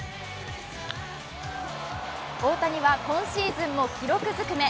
大谷は今シーズンも記録づくめ。